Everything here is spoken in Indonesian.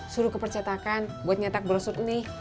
suruh ke percetakan buat nyetak brosur ini